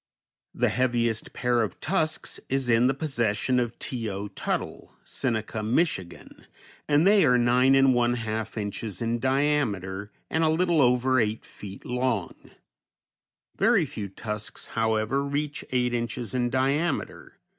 _ _The heaviest pair of tusks is in the possession of T. O. Tuttle, Seneca, Mich., and they are nine and one half inches in diameter, and a little over eight feet long; very few tusks, however, reach eight inches in diameter.